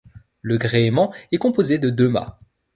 Le gréement est composé de deux mâts.